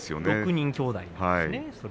６人きょうだいなんですよね。